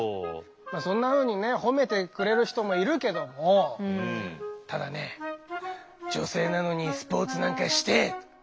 まあそんなふうにね褒めてくれる人もいるけどもただね「女性なのにスポーツなんかして」